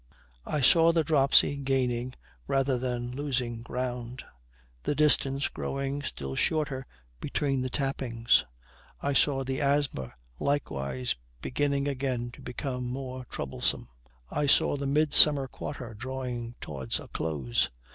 I saw the dropsy gaining rather than losing ground; the distance growing still shorter between the tappings. I saw the asthma likewise beginning again to become more troublesome. I saw the midsummer quarter drawing towards a close.